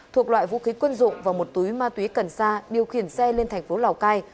thuộc loại vũ khí quân dụng và một túi ma túy cần sa điều khiển xe lên thành phố lào cai